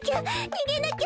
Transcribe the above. にげなきゃ！